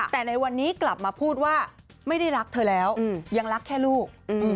แต่ในวันนี้กลับมาพูดว่าไม่ได้รักเธอแล้วยังรักแค่ลูก